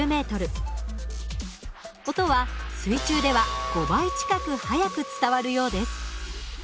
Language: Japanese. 音は水中では５倍近く速く伝わるようです。